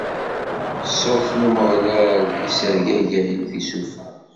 Ṣṣut n Umeɣlal issergagay tisufa.